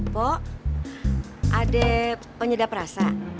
po ada penyedap rasa